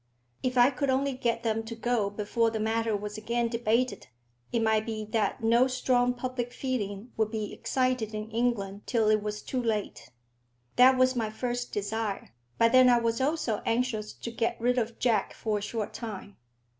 If I could only get them to go before the matter was again debated, it might be that no strong public feeling would be excited in England till it was too late. That was my first desire; but then I was also anxious to get rid of Jack for a short time.